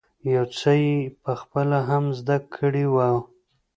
يو څه یې په خپله هم زده کړی وو.